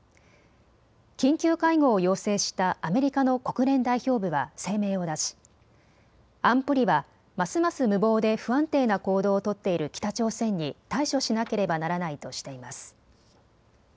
緊急会合を要請したアメリカの国連代表部は声明を出し安保理はますます無謀で不安定な行動を取っている北朝鮮に対処しなければならないとしています。